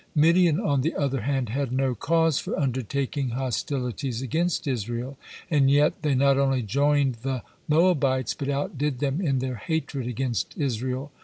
Midian, on the other hand, had no cause for undertaking hostilities against Israel, and yet they not only joined the Moabites, but outdid them in their hatred against Israel.